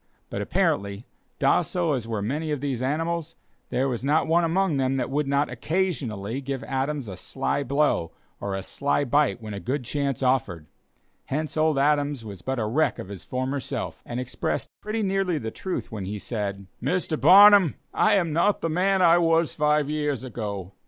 But apparently docile as were many of these animals, there was not one among them that would not occasionally give Adams a sly blow or a sly bite when a good chance offered; hence old Adams was but a wreck of his former self, and expressed pretty nearly the truth when he said: "Mr. Barnum, I am not the man I was five years ago.